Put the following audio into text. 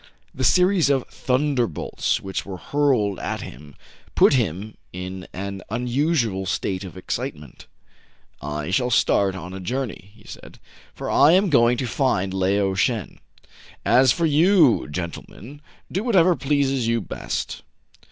The series of thunderbolts which were hurled at him put him in an unusual state of excitement. " I shall start on a journey," he said ;" for I am going to find Lao Shen. As for you, gentlemen, do whatever pleases you best."